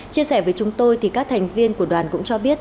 chia sẻ với chúng tôi thì các thành viên của đoàn cũng cho biết